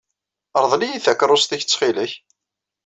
Ṛḍel-iyi takeṛṛust-ik ttxilek.